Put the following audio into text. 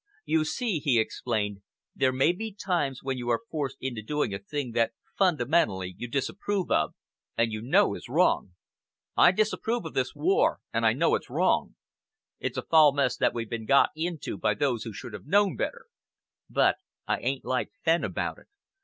You see," he explained, "there may be times when you are forced into doing a thing that fundamentally you disapprove of and you know is wrong. I disapprove of this war, and I know it's wrong it's a foul mess that we've been got into by those who should have known better but I ain't like Fenn about it.